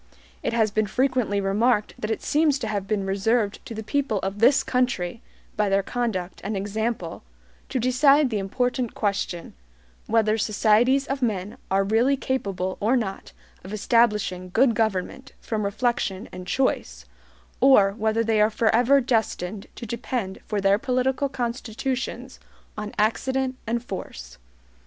It has been frequently remarked that it seems to have been reserved to the people of this country, by their conduct and example, to decide the important question, whether societies of men are really capable or not of establishing good government from reflection and choice, or whether they are forever destined to depend for their political constitutions on accident and force.